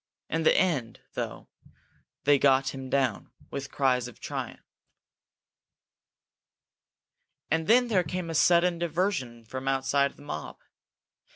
In the end, though, they got him down, with cries of triumph. And then there came a sudden diversion from outside the mob.